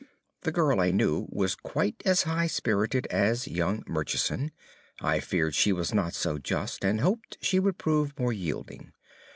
The girl, I knew, was quite as high spirited as young Murchison. I feared she was not so just, and hoped she would prove more yielding.